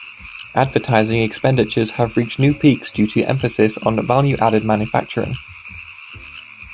Advertising expenditures have reached new peaks due to emphasis on value-added manufacturing.